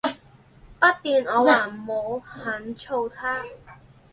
筆電我還沒很操它